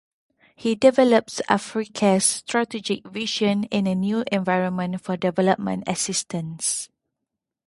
He develops Africare's strategic vision in a new environment for development assistance.